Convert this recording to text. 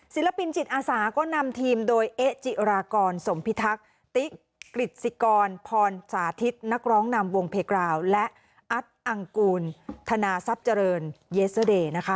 ศิลปินจิตอาสาก็นำทีมโดยเอ๊ะจิรากรสมพิทักษ์ติ๊กกฤษศิกรพรสาธิตนักร้องนำวงเพกราวและอัตอังกูลธนาทรัพย์เจริญเยสเตอร์เดย์นะคะ